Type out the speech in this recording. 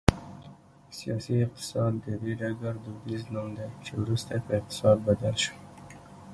سیاسي اقتصاد د دې ډګر دودیز نوم دی چې وروسته په اقتصاد بدل شو